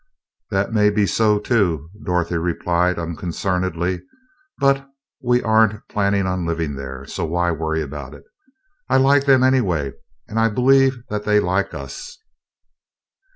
"That may be so, too," Dorothy replied, unconcernedly, "but we aren't planning on living there, so why worry about it? I like them, anyway, and I believe that they like us."